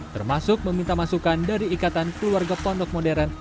termasuk meminta masukan dari ikatan keluarga pondok modern